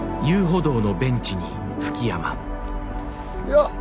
よっ！